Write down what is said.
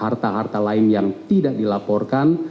harta harta lain yang tidak dilaporkan